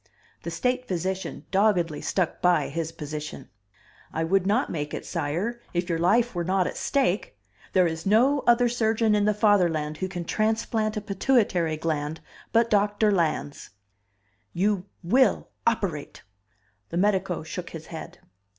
The state physician doggedly stuck by his position. "I would not make it, sire, it your life were not at stake. There is no other surgeon in the Fatherland who can transplant a pituitary gland but Doctor Lans." "You will operate!" The medico shook his head.